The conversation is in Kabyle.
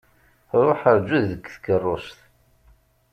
Ṛuḥ rǧu deg tkeṛṛust.